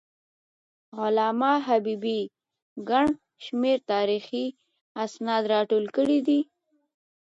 علامه حبيبي ګڼ شمېر تاریخي اسناد راټول کړي دي.